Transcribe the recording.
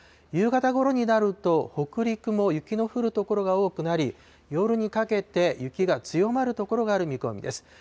夕方ごろになると、北陸も雪の降る所が多くなり、夜にかけて雪が強まる所がある見込みです。